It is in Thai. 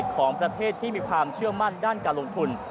ของประเทศที่มีความเชื่อมั่นด้านการลงทุน